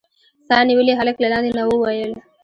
سا نيولي هلک له لاندې نه وويل.